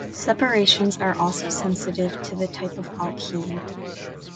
Separations are also sensitive to the type of alkene.